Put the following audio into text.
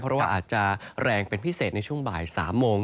เพราะว่าอาจจะแรงเป็นพิเศษในช่วงบ่าย๓โมง